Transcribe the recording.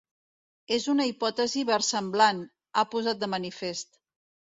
És una hipòtesi versemblant, ha posat de manifest.